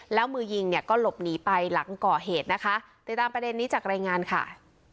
แล้วมือยิงเนี่ยก็หลบหนีไปหลังก่อเหตุนะคะติดตามประเด็นนี้จากรายงานค่ะ